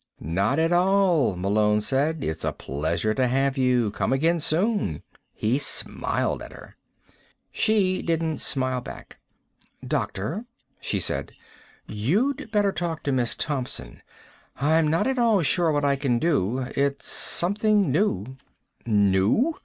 "Not at all," Malone said. "It's a pleasure to have you. Come again soon." He smiled at her. She didn't smile back. "Doctor," she said, "you better talk to Miss Thompson. I'm not at all sure what I can do. It's something new." "New?"